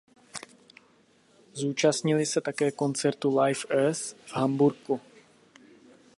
Zúčastnili se také koncertu Live Earth v Hamburku.